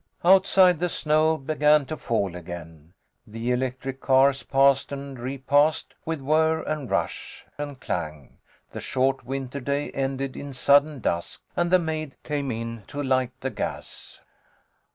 Outside the snow began to fall again. The electric cars passed and repassed with whirr and rush and clang. The short winter day ended in sudden dusk, and the maid came in to light the gas.